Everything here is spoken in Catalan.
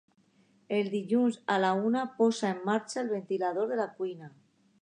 Els dilluns a la una posa en marxa el ventilador de la cuina.